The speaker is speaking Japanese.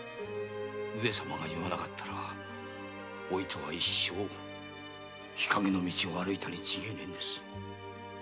上様が言わなかったらおいとは一生日陰の道を歩いたに違いありません。